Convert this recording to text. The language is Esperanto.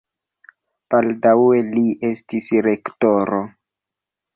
Baldaŭe li estis rektoro.